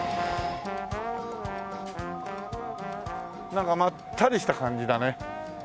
なんかまったりした感じだね。